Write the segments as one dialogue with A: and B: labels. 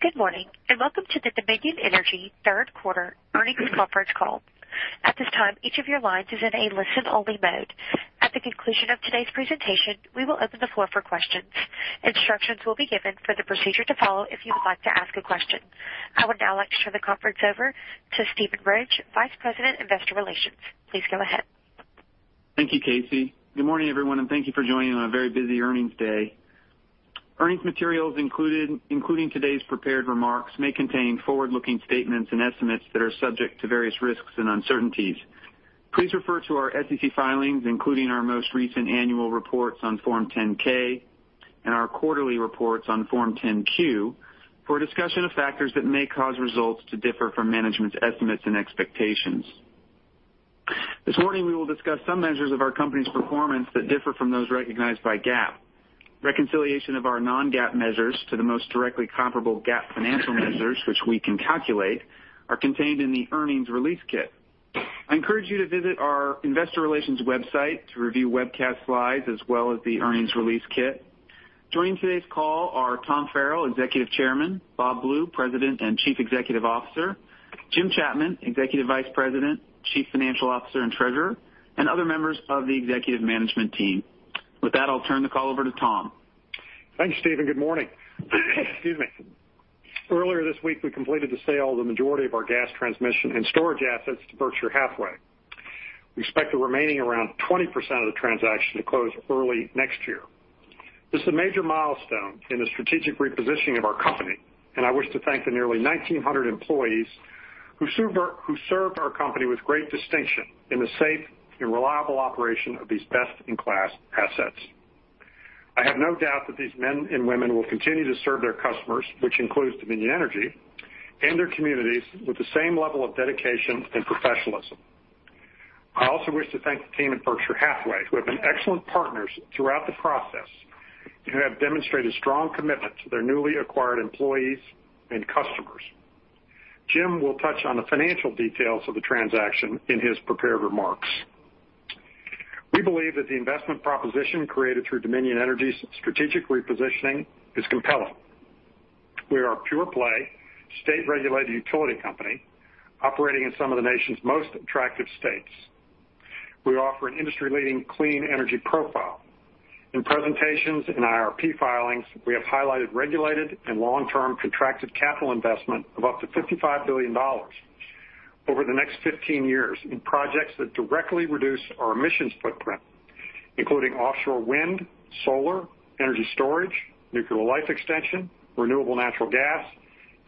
A: Good morning, and welcome to the Dominion Energy third quarter earnings conference call. At this time, each of your lines is in a listen-only mode. At the conclusion of today's presentation, we will open the floor for questions. Instructions will be given for the procedure to follow if you would like to ask a question. I would now like to turn the conference over to Steven Ridge, Vice President, Investor Relations. Please go ahead.
B: Thank you, Casey. Good morning, everyone, and thank you for joining on a very busy earnings day. Earnings materials, including today's prepared remarks, may contain forward-looking statements and estimates that are subject to various risks and uncertainties. Please refer to our SEC filings, including our most recent annual reports on Form 10-K and our quarterly reports on Form 10-Q, for a discussion of factors that may cause results to differ from management's estimates and expectations. This morning, we will discuss some measures of our company's performance that differ from those recognized by GAAP. Reconciliation of our non-GAAP measures to the most directly comparable GAAP financial measures, which we can calculate, are contained in the earnings release kit. I encourage you to visit our investor relations website to review webcast slides as well as the earnings release kit. Joining today's call are Tom Farrell, Executive Chairman; Bob Blue, President and Chief Executive Officer; Jim Chapman, Executive Vice President, Chief Financial Officer, and Treasurer, and other members of the executive management team. With that, I'll turn the call over to Tom.
C: Thank you, Steven. Good morning. Excuse me. Earlier this week, we completed the sale of the majority of our gas transmission and storage assets to Berkshire Hathaway. We expect the remaining around 20% of the transaction to close early next year. This is a major milestone in the strategic repositioning of our company, and I wish to thank the nearly 1,900 employees who served our company with great distinction in the safe and reliable operation of these best-in-class assets. I have no doubt that these men and women will continue to serve their customers, which includes Dominion Energy, and their communities with the same level of dedication and professionalism. I also wish to thank the team at Berkshire Hathaway, who have been excellent partners throughout the process and who have demonstrated strong commitment to their newly acquired employees and customers. Jim will touch on the financial details of the transaction in his prepared remarks. We believe that the investment proposition created through Dominion Energy's strategic repositioning is compelling. We are a pure play, state-regulated utility company operating in some of the nation's most attractive states. We offer an industry-leading clean energy profile. In presentations and IRP filings, we have highlighted regulated and long-term contracted capital investment of up to $55 billion over the next 15 years in projects that directly reduce our emissions footprint, including offshore wind, solar, energy storage, nuclear life extension, renewable natural gas,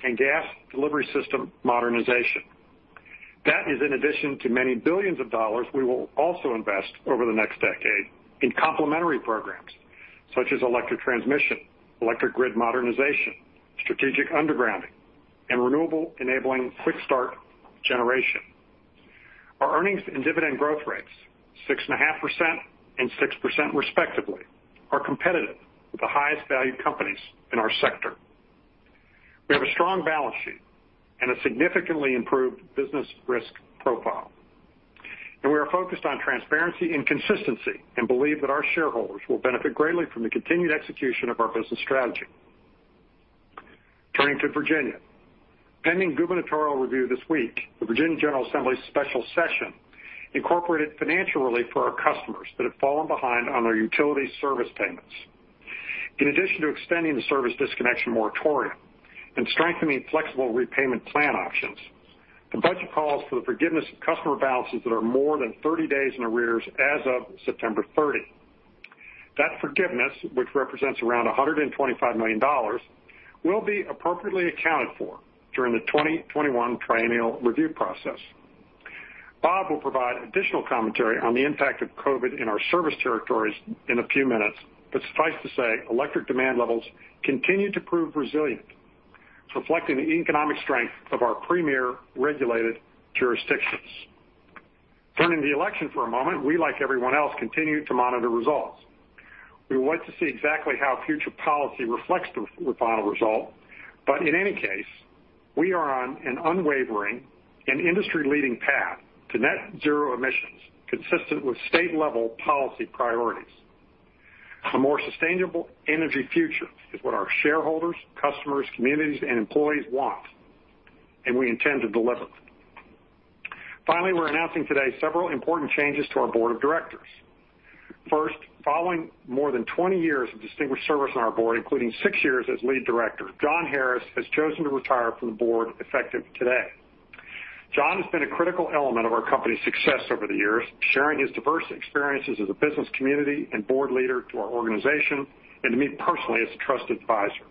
C: and gas delivery system modernization. That is in addition to many billions of dollars we will also invest over the next decade in complementary programs such as electric transmission, electric grid modernization, strategic undergrounding, and renewable-enabling quick-start generation. Our earnings and dividend growth rates, 6.5% and 6% respectively, are competitive with the highest-valued companies in our sector. We have a strong balance sheet and a significantly improved business risk profile. We are focused on transparency and consistency and believe that our shareholders will benefit greatly from the continued execution of our business strategy. Turning to Virginia. Pending gubernatorial review this week, the Virginia General Assembly's special session incorporated financial relief for our customers that have fallen behind on their utility service payments. In addition to extending the service disconnection moratorium and strengthening flexible repayment plan options, the budget calls for the forgiveness of customer balances that are more than 30 days in arrears as of September 30. That forgiveness, which represents around $125 million, will be appropriately accounted for during the 2021 triennial review process. Bob will provide additional commentary on the impact of COVID in our service territories in a few minutes. Suffice to say, electric demand levels continue to prove resilient, reflecting the economic strength of our premier regulated jurisdictions. Turning to the election for a moment, we, like everyone else, continue to monitor results. We wait to see exactly how future policy reflects the final result. In any case, we are on an unwavering and industry-leading path to net zero emissions consistent with state-level policy priorities. A more sustainable energy future is what our shareholders, customers, communities, and employees want. We intend to deliver. Finally, we're announcing today several important changes to our board of directors. First, following more than 20 years of distinguished service on our board, including six years as Lead Director, John Harris has chosen to retire from the board effective today. John has been a critical element of our company's success over the years, sharing his diverse experiences as a business community and board leader to our organization and to me personally as a trusted advisor.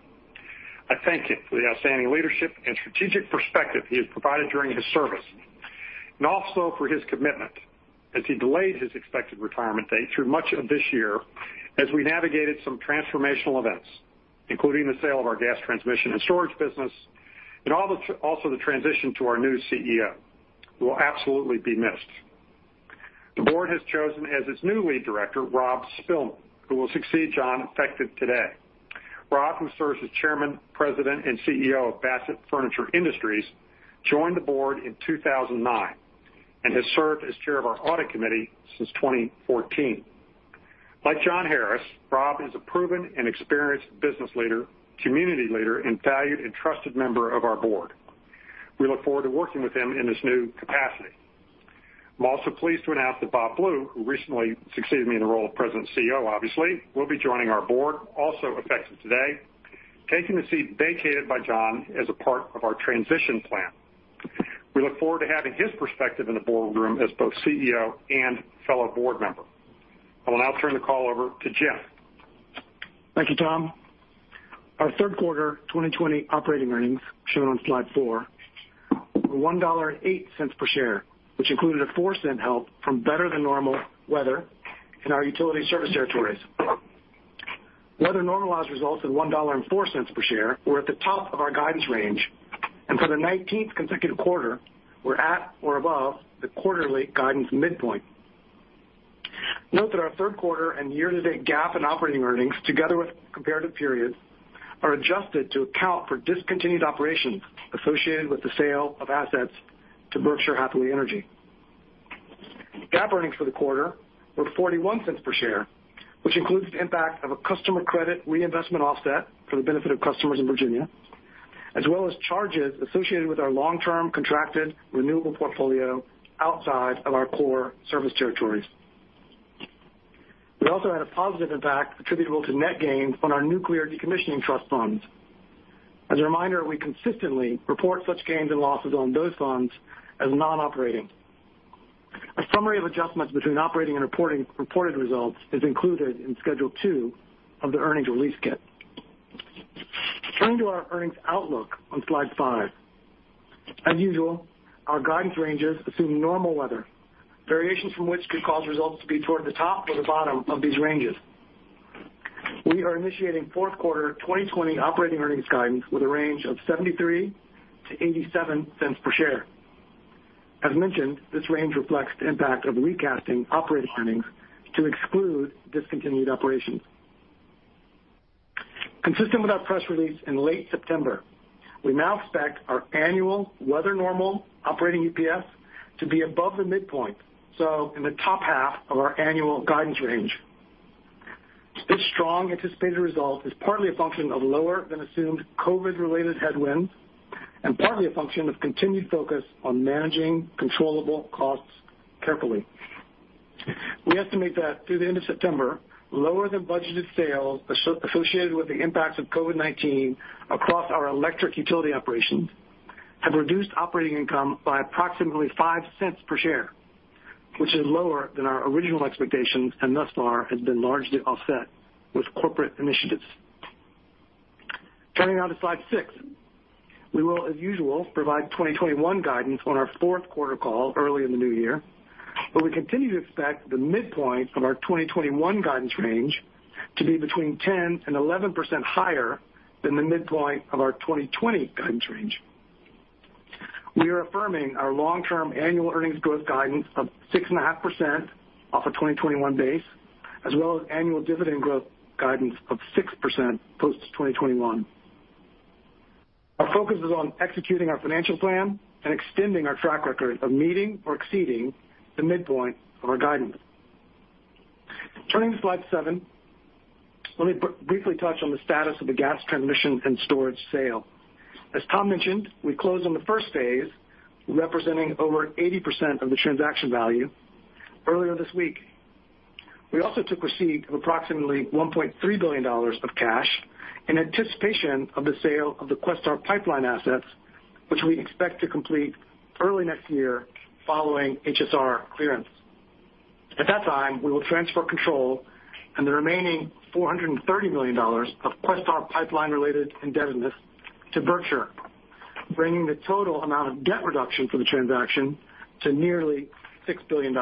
C: I thank him for the outstanding leadership and strategic perspective he has provided during his service, and also for his commitment, as he delayed his expected retirement date through much of this year as we navigated some transformational events, including the sale of our gas transmission and storage business, and also the transition to our new CEO. He will absolutely be missed. The board has chosen as its new Lead Director, Rob Spilman, who will succeed John effective today. Rob, who serves as chairman, president, and CEO of Bassett Furniture Industries, joined the board in 2009 and has served as chair of our audit committee since 2014. Like John Harris, Rob is a proven and experienced business leader, community leader, and valued and trusted member of our board. We look forward to working with him in this new capacity. I'm also pleased to announce that Bob Blue, who recently succeeded me in the role of President and CEO, obviously, will be joining our board also effective today, taking the seat vacated by John as a part of our transition plan. We look forward to having his perspective in the boardroom as both CEO and fellow board member. I will now turn the call over to Jim.
D: Thank you, Tom. Our third quarter 2020 operating earnings, shown on slide four, were $1.08 per share, which included a $0.04 help from better than normal weather in our utility service territories. Weather-normalized results of $1.04 per share were at the top of our guidance range. For the 19th consecutive quarter, we're at or above the quarterly guidance midpoint. Note that our third quarter and year-to-date GAAP in operating earnings, together with comparative periods, are adjusted to account for discontinued operations associated with the sale of assets to Berkshire Hathaway Energy. GAAP earnings for the quarter were $0.41 per share, which includes the impact of a customer credit reinvestment offset for the benefit of customers in Virginia, as well as charges associated with our long-term contracted renewable portfolio outside of our core service territories. We also had a positive impact attributable to net gains on our nuclear decommissioning trust funds. As a reminder, we consistently report such gains and losses on those funds as non-operating. A summary of adjustments between operating and reported results is included in Schedule 2 of the earnings release kit. Turning to our earnings outlook on slide five. As usual, our guidance ranges assume normal weather, variations from which could cause results to be toward the top or the bottom of these ranges. We are initiating fourth quarter 2020 operating earnings guidance with a range of $0.73-$0.87 per share. As mentioned, this range reflects the impact of recasting operating earnings to exclude discontinued operations. Consistent with our press release in late September, we now expect our annual weather normal operating EPS to be above the midpoint, so in the top half of our annual guidance range. This strong anticipated result is partly a function of lower than assumed COVID-related headwinds and partly a function of continued focus on managing controllable costs carefully. We estimate that through the end of September, lower than budgeted sales associated with the impacts of COVID-19 across our electric utility operations have reduced operating income by approximately $0.05 per share, which is lower than our original expectations and thus far has been largely offset with corporate initiatives. Turning now to slide six. We will, as usual, provide 2021 guidance on our fourth quarter call early in the new year. We continue to expect the midpoint of our 2021 guidance range to be between 10% and 11% higher than the midpoint of our 2020 guidance range. We are affirming our long-term annual earnings growth guidance of 6.5% off a 2021 base, as well as annual dividend growth guidance of 6% post-2021. Our focus is on executing our financial plan and extending our track record of meeting or exceeding the midpoint of our guidance. Turning to slide seven, let me briefly touch on the status of the gas transmission and storage sale. As Tom mentioned, we closed on the first phase, representing over 80% of the transaction value, earlier this week. We also took receipt of approximately $1.3 billion of cash in anticipation of the sale of the Questar Pipeline assets, which we expect to complete early next year following HSR clearance. At that time, we will transfer control and the remaining $430 million of Questar Pipeline-related indebtedness to Berkshire, bringing the total amount of debt reduction for the transaction to nearly $6 billion.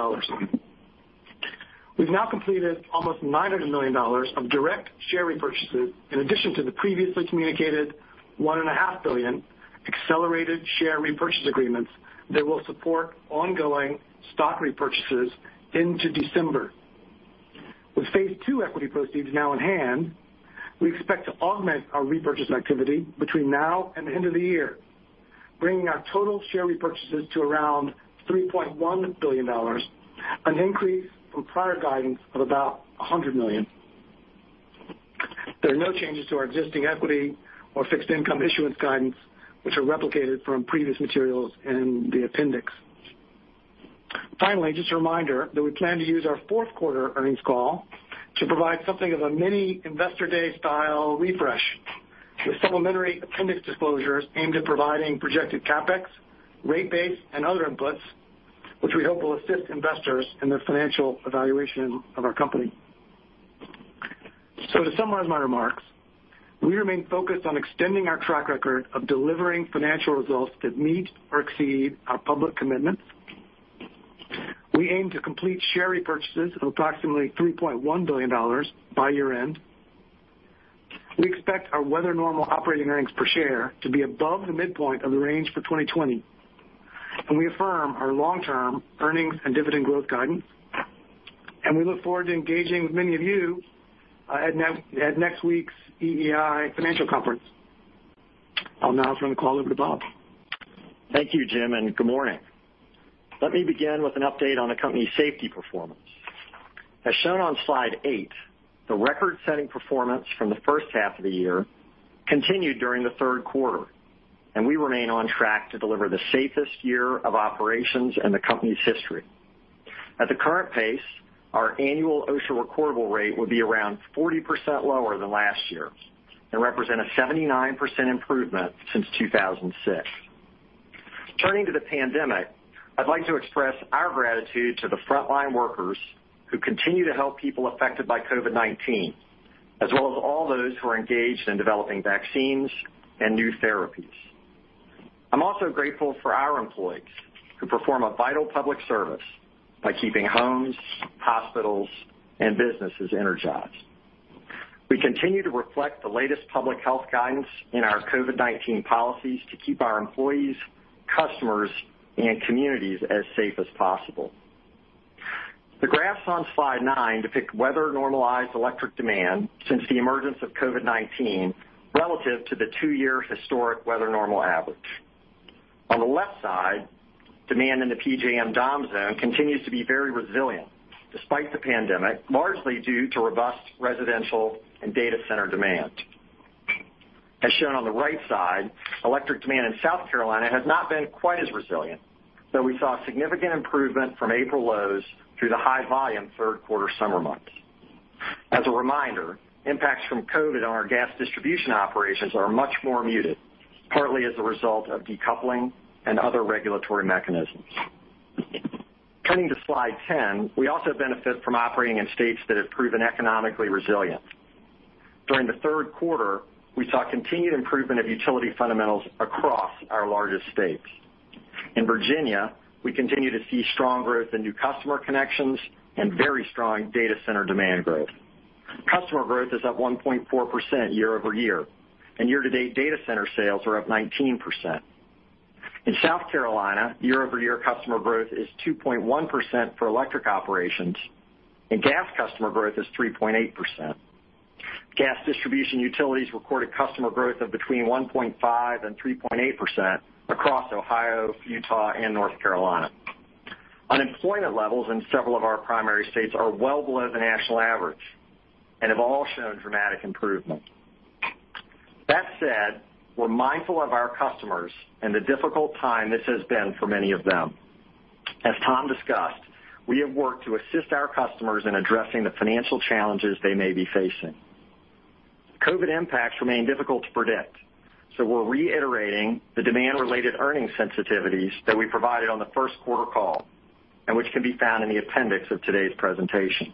D: We've now completed almost $900 million of direct share repurchases in addition to the previously communicated $1.5 billion accelerated share repurchase agreements that will support ongoing stock repurchases into December. With phase II equity proceeds now in hand, we expect to augment our repurchase activity between now and the end of the year, bringing our total share repurchases to around $3.1 billion, an increase from prior guidance of about $100 million. There are no changes to our existing equity or fixed income issuance guidance, which are replicated from previous materials in the appendix. Finally, just a reminder that we plan to use our fourth quarter earnings call to provide something of a mini Investor Day style refresh with supplementary appendix disclosures aimed at providing projected CapEx, rate base, and other inputs, which we hope will assist investors in their financial evaluation of our company. To summarize my remarks, we remain focused on extending our track record of delivering financial results that meet or exceed our public commitments. We aim to complete share repurchases of approximately $3.1 billion by year-end. We expect our weather normal operating earnings per share to be above the midpoint of the range for 2020. We affirm our long-term earnings and dividend growth guidance. We look forward to engaging with many of you at next week's EEI Financial Conference. I'll now turn the call over to Bob.
E: Thank you, Jim, and good morning. Let me begin with an update on the company's safety performance. As shown on slide eight, the record-setting performance from the first half of the year continued during the third quarter. We remain on track to deliver the safest year of operations in the company's history. At the current pace, our annual OSHA recordable rate would be around 40% lower than last year and represent a 79% improvement since 2006. Turning to the pandemic, I'd like to express our gratitude to the frontline workers who continue to help people affected by COVID-19, as well as all those who are engaged in developing vaccines and new therapies. I'm also grateful for our employees who perform a vital public service by keeping homes, hospitals, and businesses energized. We continue to reflect the latest public health guidance in our COVID-19 policies to keep our employees, customers, and communities as safe as possible. The graphs on slide nine depict weather-normalized electric demand since the emergence of COVID-19 relative to the two-year historic weather normal average. On the left side, demand in the PJM DOM Zone continues to be very resilient despite the pandemic, largely due to robust residential and data center demand. As shown on the right side, electric demand in South Carolina has not been quite as resilient, though we saw significant improvement from April lows through the high-volume third-quarter summer months. As a reminder, impacts from COVID on our gas distribution operations are much more muted, partly as a result of decoupling and other regulatory mechanisms. Turning to slide 10, we also benefit from operating in states that have proven economically resilient. During the third quarter, we saw continued improvement of utility fundamentals across our largest states. In Virginia, we continue to see strong growth in new customer connections and very strong data center demand growth. Customer growth is up 1.4% year-over-year, and year-to-date data center sales are up 19%. In South Carolina, year-over-year customer growth is 2.1% for electric operations, and gas customer growth is 3.8%. Gas distribution utilities recorded customer growth of between 1.5% and 3.8% across Ohio, Utah, and North Carolina. Unemployment levels in several of our primary states are well below the national average and have all shown dramatic improvement. That said, we're mindful of our customers and the difficult time this has been for many of them. As Tom discussed, we have worked to assist our customers in addressing the financial challenges they may be facing. COVID impacts remain difficult to predict. We're reiterating the demand-related earnings sensitivities that we provided on the first quarter call and which can be found in the appendix of today's presentation.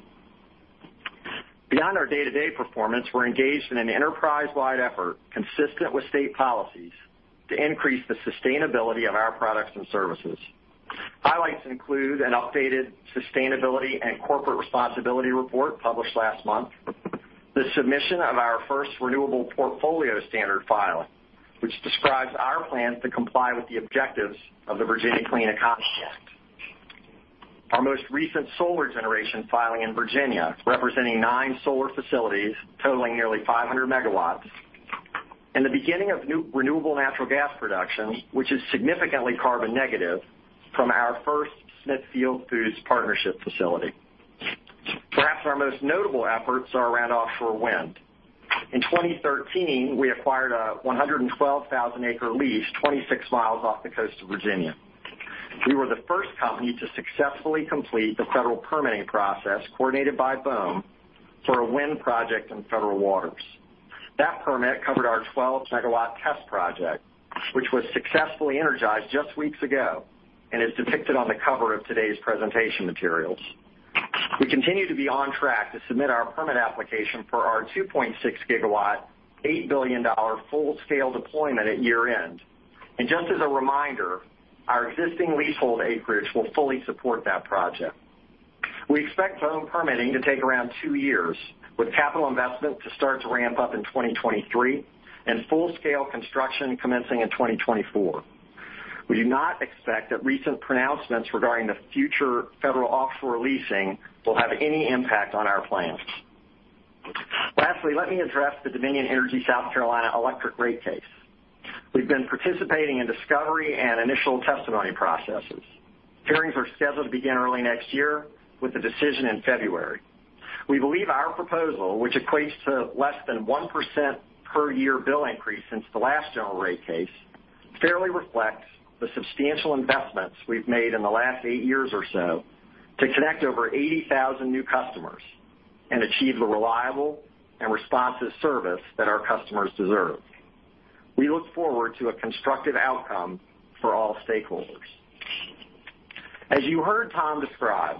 E: Beyond our day-to-day performance, we're engaged in an enterprise-wide effort consistent with state policies to increase the sustainability of our products and services. Highlights include an updated sustainability and corporate responsibility report published last month, the submission of our first renewable portfolio standard filing, which describes our plans to comply with the objectives of the Virginia Clean Economy Act. Our most recent solar generation filing in Virginia, representing nine solar facilities totaling nearly 500 megawatts, and the beginning of new renewable natural gas production, which is significantly carbon negative from our first Smithfield Foods partnership facility. Perhaps our most notable efforts are around offshore wind. In 2013, we acquired a 112,000-acre lease 26 miles off the coast of Virginia. We were the first company to successfully complete the federal permitting process, coordinated by BOEM, for a wind project in federal waters. That permit covered our 12-megawatt test project, which was successfully energized just weeks ago and is depicted on the cover of today's presentation materials. We continue to be on track to submit our permit application for our 2.6 gigawatt, $8 billion full-scale deployment at year-end. Just as a reminder, our existing leasehold acreage will fully support that project. We expect BOEM permitting to take around two years, with capital investment to start to ramp up in 2023 and full-scale construction commencing in 2024. We do not expect that recent pronouncements regarding the future federal offshore leasing will have any impact on our plans. Lastly, let me address the Dominion Energy South Carolina electric rate case. We've been participating in discovery and initial testimony processes. Hearings are scheduled to begin early next year with the decision in February. We believe our proposal, which equates to less than 1% per year bill increase since the last general rate case, fairly reflects the substantial investments we've made in the last eight years or so to connect over 80,000 new customers and achieve the reliable and responsive service that our customers deserve. We look forward to a constructive outcome for all stakeholders. As you heard Tom describe,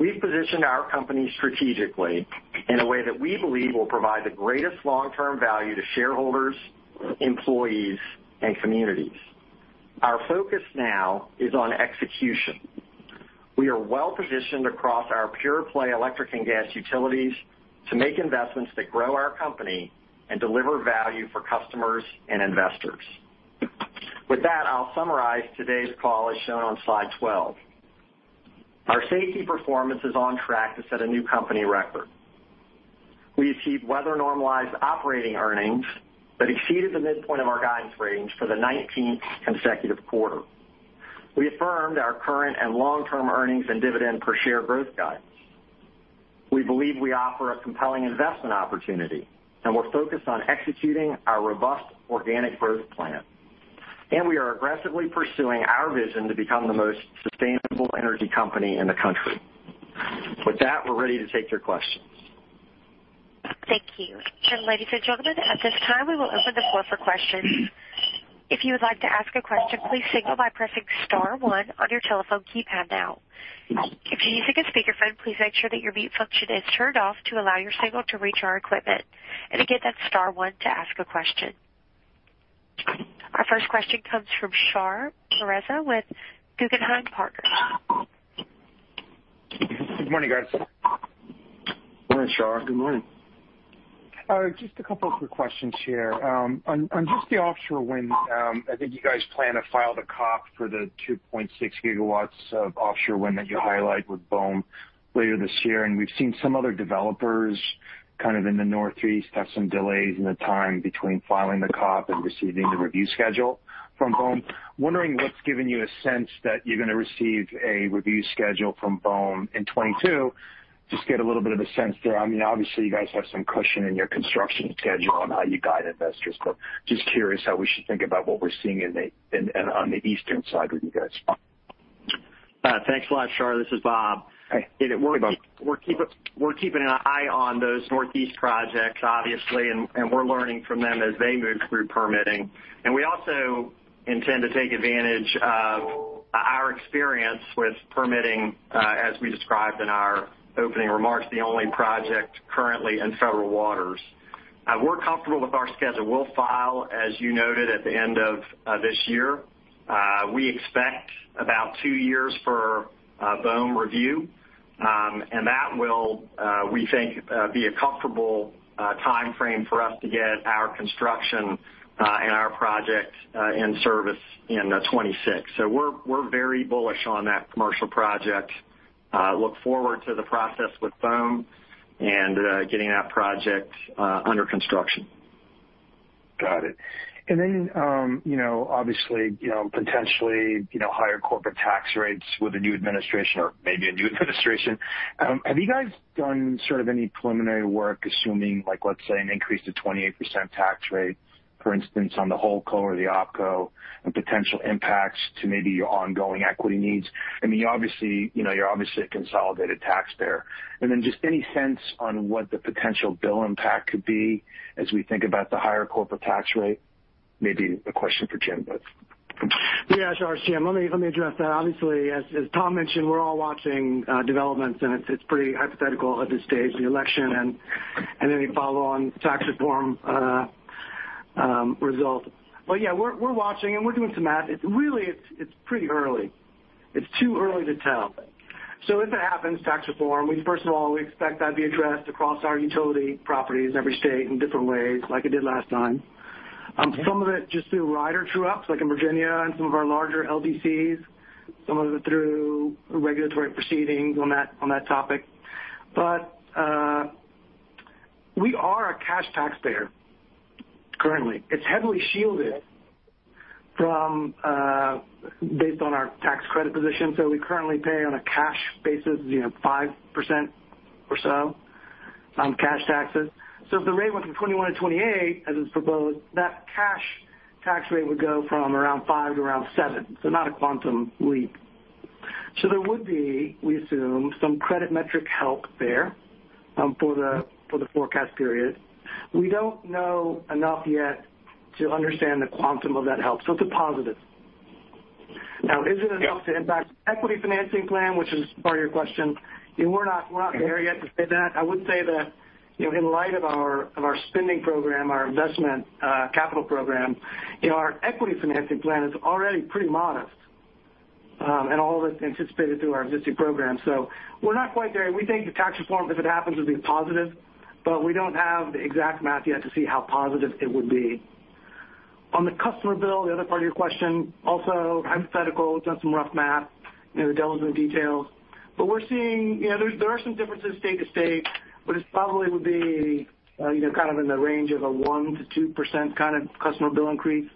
E: we've positioned our company strategically in a way that we believe will provide the greatest long-term value to shareholders, employees, and communities. Our focus now is on execution. We are well-positioned across our pure play electric and gas utilities to make investments that grow our company and deliver value for customers and investors. With that, I'll summarize today's call as shown on slide 12. Our safety performance is on track to set a new company record. We achieved weather-normalized operating earnings that exceeded the midpoint of our guidance range for the 19th consecutive quarter. We affirmed our current and long-term earnings and dividend per share growth guidance. We believe we offer a compelling investment opportunity, and we're focused on executing our robust organic growth plan. We are aggressively pursuing our vision to become the most sustainable energy company in the country. With that, we're ready to take your questions.
A: Thank you. Ladies and gentlemen, at this time, we will open the floor for questions. If you would like to ask a question, please signal by pressing star one on your telephone keypad now. If you're using a speakerphone, please make sure that your mute function is turned off to allow your signal to reach our equipment. Again, that's star one to ask a question. Our first question comes from Shar Pourreza with Guggenheim Partners.
F: Good morning, guys.
E: Morning, Shar.
C: Good morning.
F: Just a couple of quick questions here. On just the offshore wind, I think you guys plan to file the COP for the 2.6 gigawatts of offshore wind that you highlight with BOEM later this year, and we've seen some other developers kind of in the Northeast have some delays in the time between filing the COP and receiving the review schedule from BOEM. Wondering what's given you a sense that you're going to receive a review schedule from BOEM in 2022. Just get a little bit of a sense there. Obviously, you guys have some cushion in your construction schedule on how you guide investors, but just curious how we should think about what we're seeing on the Eastern side with you guys.
E: Thanks a lot, Shar. This is Bob.
F: Hey. Hey, Bob.
E: We're keeping an eye on those Northeast projects, obviously, we're learning from them as they move through permitting. We also intend to take advantage of our experience with permitting, as we described in our opening remarks, the only project currently in federal waters. We're comfortable with our schedule. We'll file, as you noted, at the end of this year. We expect about two years for BOEM review, and that will, we think, be a comfortable timeframe for us to get our construction and our project in service in 2026. We're very bullish on that commercial project. Look forward to the process with BOEM and getting that project under construction.
F: Got it. Obviously, potentially, higher corporate tax rates with a new administration or maybe a new administration. Have you guys done sort of any preliminary work assuming, let's say, an increase to 28% tax rate, for instance, on the whole co or the opco and potential impacts to maybe your ongoing equity needs? You're obviously a consolidated taxpayer. Just any sense on what the potential bill impact could be as we think about the higher corporate tax rate? Maybe a question for Jim.
D: Yeah, Shar. It's Jim. Let me address that. Obviously, as Tom mentioned, we're all watching developments, and it's pretty hypothetical at this stage, the election and any follow-on tax reform result. Yeah, we're watching, and we're doing some math. Really, it's pretty early. It's too early to tell. If it happens, tax reform, first of all, we expect that to be addressed across our utility properties in every state in different ways, like it did last time. Some of it just through rider true-ups, like in Virginia and some of our larger LDCs, some of it through regulatory proceedings on that topic. We are a cash taxpayer currently. It's heavily shielded based on our tax credit position. We currently pay on a cash basis, 5% or so cash taxes. If the rate went from 21 to 28, as is proposed, that cash tax rate would go from around five to around seven. Not a quantum leap. There would be, we assume, some credit metric help there for the forecast period. We don't know enough yet to understand the quantum of that help. It's a positive. Now, is it enough to impact equity financing plan, which is part of your question? We're not there yet to say that. I would say that in light of our spending program, our investment capital program, our equity financing plan is already pretty modest, and all of it's anticipated through our existing program. We're not quite there yet. We think the tax reform, if it happens, would be a positive, but we don't have the exact math yet to see how positive it would be. On the customer bill, the other part of your question, also hypothetical. It's on some rough math. The devil's in the details. We're seeing there are some differences state to state, but it probably would be kind of in the range of a 1%-2% kind of customer bill increase.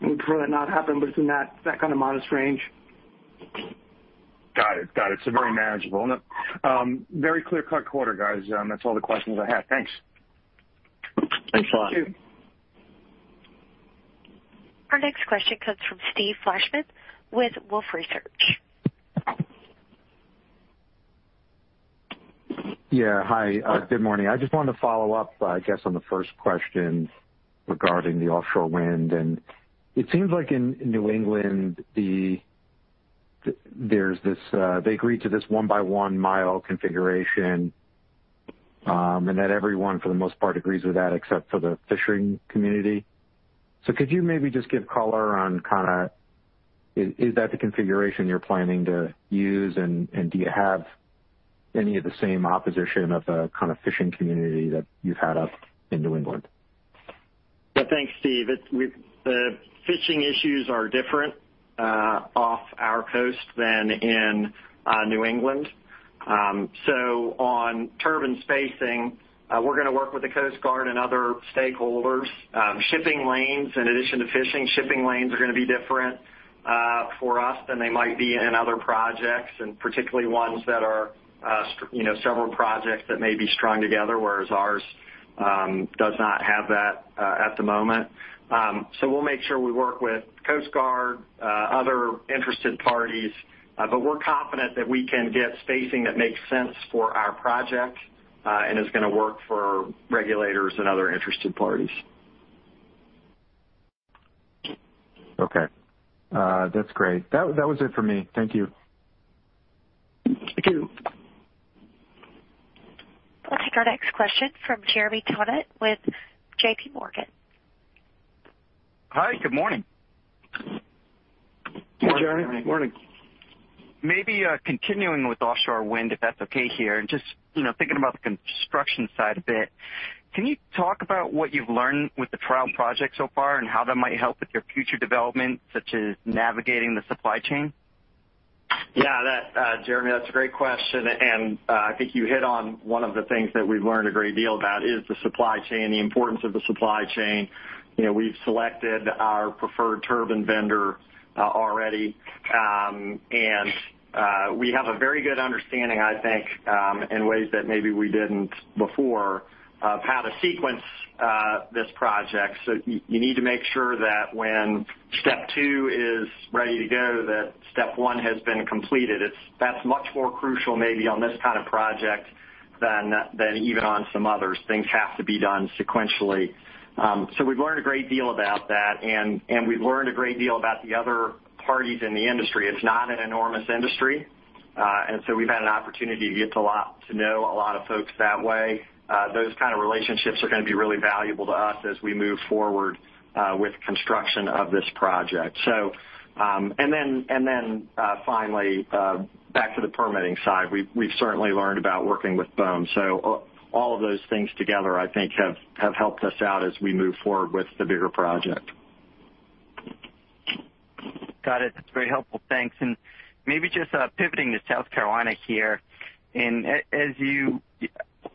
D: We'd prefer that not happen, it's in that kind of modest range.
F: Got it. Very manageable. Very clear-cut quarter, guys. That's all the questions I had. Thanks.
E: Thanks a lot.
A: Our next question comes from Steve Fleishman with Wolfe Research.
G: Yeah. Hi, good morning. I just wanted to follow up, I guess, on the first question regarding the offshore wind. It seems like in New England, they agreed to this one-by-one mile configuration, and that everyone, for the most part, agrees with that except for the fishing community. Could you maybe just give color on kind of is that the configuration you're planning to use, and do you have any of the same opposition of the kind of fishing community that you've had up in New England?
E: Yeah. Thanks, Steve. The fishing issues are different off our coast than in New England. On turbine spacing, we're going to work with the Coast Guard and other stakeholders. Shipping lanes, in addition to fishing, shipping lanes are going to be different for us than they might be in other projects, and particularly ones that are several projects that may be strung together, whereas ours does not have that at the moment. We'll make sure we work with Coast Guard, other interested parties, but we're confident that we can get spacing that makes sense for our project and is going to work for regulators and other interested parties.
G: Okay. That's great. That was it for me. Thank you.
E: Thank you.
A: We'll take our next question from Jeremy Tonet with JPMorgan.
H: Hi, good morning.
E: Hey, Jeremy. Good morning.
D: Morning.
H: Maybe continuing with offshore wind, if that's okay here, and just thinking about the construction side a bit, can you talk about what you've learned with the trial project so far and how that might help with your future development, such as navigating the supply chain?
E: Yeah, Jeremy, that's a great question. I think you hit on one of the things that we've learned a great deal about is the supply chain, the importance of the supply chain. We've selected our preferred turbine vendor already. We have a very good understanding, I think, in ways that maybe we didn't before, of how to sequence this project. You need to make sure that when step two is ready to go, that step 1 has been completed. That's much more crucial maybe on this kind of project than even on some others. Things have to be done sequentially. We've learned a great deal about that and we've learned a great deal about the other parties in the industry. It's not an enormous industry, we've had an opportunity to get to know a lot of folks that way. Those kind of relationships are going to be really valuable to us as we move forward with construction of this project. Finally, back to the permitting side. We've certainly learned about working with BOEM. All of those things together, I think, have helped us out as we move forward with the bigger project.
H: Got it. That's very helpful. Thanks. Maybe just pivoting to South Carolina here,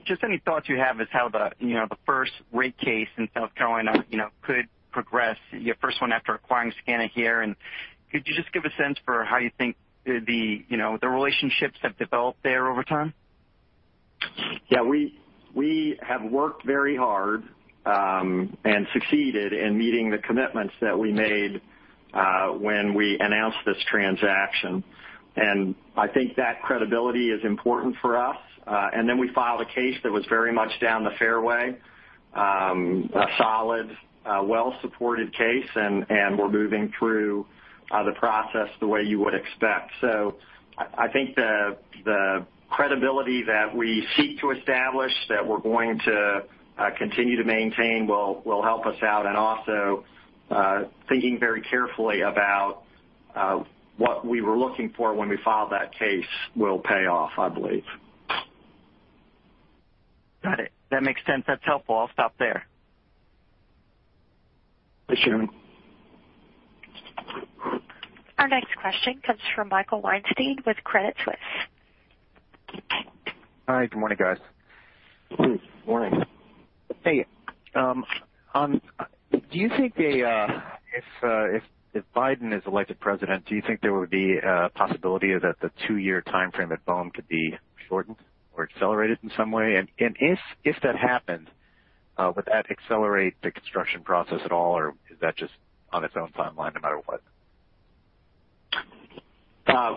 H: just any thoughts you have as how the first rate case in South Carolina could progress, your first one after acquiring SCANA here? Could you just give a sense for how you think the relationships have developed there over time?
E: Yeah, we have worked very hard, and succeeded in meeting the commitments that we made when we announced this transaction. I think that credibility is important for us. We filed a case that was very much down the fairway, a solid, well-supported case, and we're moving through the process the way you would expect. I think the credibility that we seek to establish, that we're going to continue to maintain will help us out, and also thinking very carefully about what we were looking for when we filed that case will pay off, I believe.
H: Got it. That makes sense. That's helpful. I'll stop there.
E: Thanks, Jeremy.
A: Our next question comes from Michael Weinstein with Credit Suisse.
I: Hi, good morning, guys.
E: Morning.
I: If Biden is elected president, do you think there would be a possibility that the two-year timeframe at BOEM could be shortened or accelerated in some way? If that happens, would that accelerate the construction process at all, or is that just on its own timeline no matter what?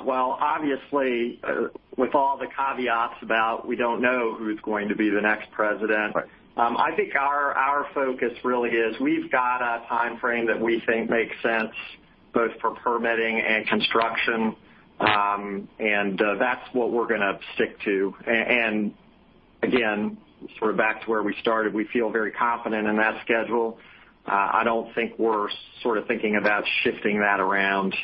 E: Well, obviously, with all the caveats about we don't know who's going to be the next president.
I: Right
E: I think our focus really is we've got a timeframe that we think makes sense both for permitting and construction, and that's what we're going to stick to. Again, back to where we started, we feel very confident in that schedule. I don't think we're thinking about shifting that around.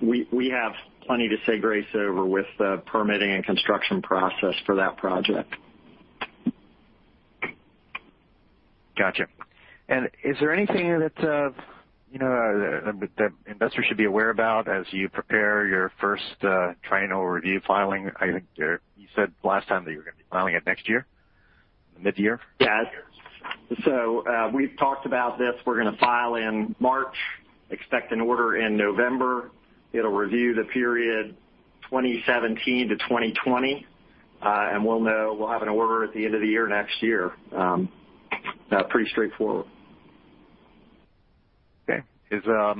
E: We have plenty to say grace over with the permitting and construction process for that project.
I: Got you. Is there anything that investors should be aware about as you prepare your first triennial review filing? I think you said last time that you were going to be filing it next year? Mid-year?
E: Yeah. We've talked about this. We're going to file in March, expect an order in November. It'll review the period 2017 to 2020. We'll have an order at the end of the year next year. Pretty straightforward.
I: Okay. Do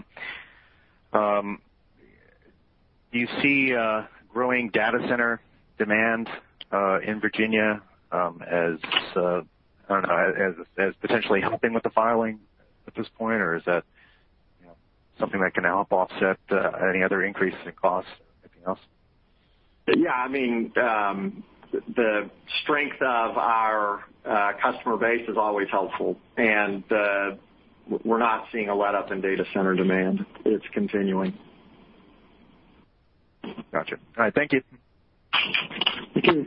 I: you see growing data center demand in Virginia as potentially helping with the filing at this point? Is that something that can help offset any other increases in cost or anything else?
E: Yeah, the strength of our customer base is always helpful. We're not seeing a letup in data center demand. It's continuing.
I: Got you. All right. Thank you.
E: Thank you.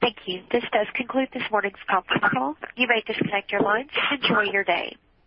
A: Thank you. This does conclude this morning's conference call. You may disconnect your lines. Enjoy your day.